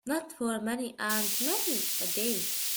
Not for many and many a day.